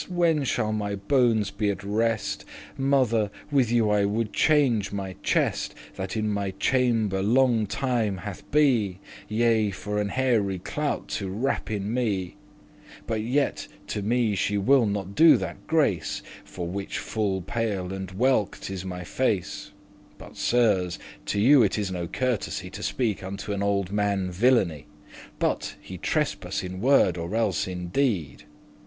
when shall my bones be at rest? Mother, with you I woulde change my chest, That in my chamber longe time hath be, Yea, for an hairy clout to *wrap in me.'* *wrap myself in* But yet to me she will not do that grace, For which fall pale and welked* is my face. *withered But, Sirs, to you it is no courtesy To speak unto an old man villainy, But* he trespass in word or else in deed.